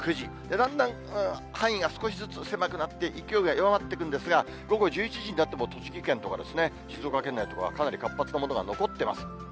だんだん範囲が少しずつ狭くなって勢いが弱まっていくんですが、午後１１時になっても、栃木県とか、静岡県内とか、かなり活発なものが残ってます。